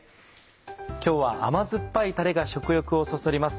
今日は甘酸っぱいたれが食欲をそそります